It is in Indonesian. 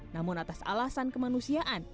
namun atas alasan kemanusiaan